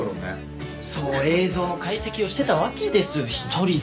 そう映像の解析をしてたわけですよ一人で。